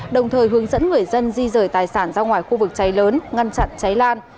đồng thời hướng dẫn người dân di rời tài sản ra ngoài khu vực cháy lớn ngăn chặn cháy lan